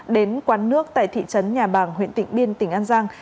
đến quán nước tại thị trấn nhà bàng huyện tịnh biên tỉnh an giang